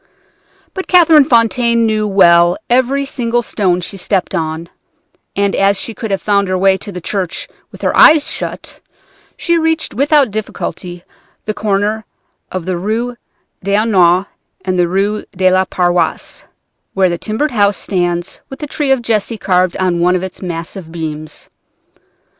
But Catherine Fontaine knew well every single stone she stepped on, and, as she could have found her way to the church with her eyes shut, she reached without difficulty the corner of the Rue aux Nonnes and the Rue de la Paroisse, where the timbered house stands with the tree of Jesse carved on one of its massive beams.